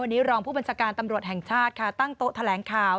วันนี้รองผู้บัญชาการตำรวจแห่งชาติค่ะตั้งโต๊ะแถลงข่าว